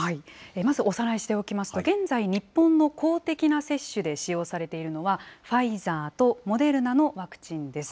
まずおさらいしておきますと、現在、日本の公的な接種で使用されているのは、ファイザーとモデルナのワクチンです。